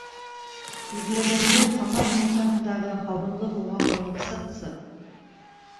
Ирлегеңде Хаммат мунсаһындағы һабынлы һыуға һалып сыҡсы.